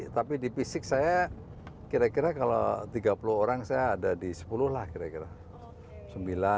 tapi di fisik saya kira kalau tiga puluh orang saya ada di sepuluh lah kira kira